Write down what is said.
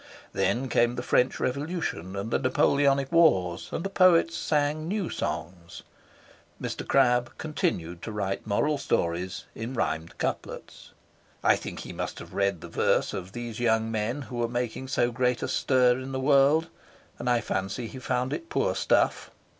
Then came the French Revolution and the Napoleonic Wars, and the poets sang new songs. Mr. Crabbe continued to write moral stories in rhymed couplets. I think he must have read the verse of these young men who were making so great a stir in the world, and I fancy he found it poor stuff.